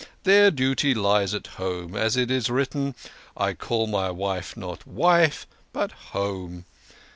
Their duty lies at home. As it is written, I call my wife not ' wife ' but ' home.'